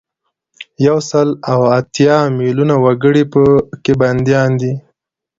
یو سل او اتیا میلونه وګړي په کې بندیان دي.